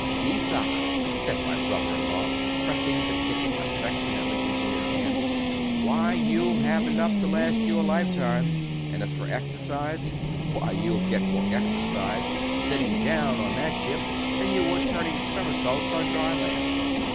"Sea side!" said my brother in law, pressing the ticket affectionately into his hand; "why, you'll have enough to last you a lifetime; and as for exercise! why, you'll get more exercise, sitting down on that ship, than you would turning somersaults on dry land."